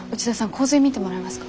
洪水見てもらえますか？